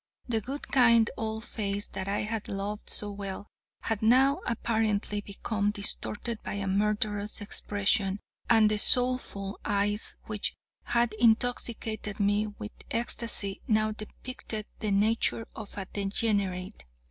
The good, kind, old face, that I had loved so well, had now apparently become distorted by a murderous expression, and the soulful eyes which had intoxicated me with ecstasy, now depicted the nature of a degenerate.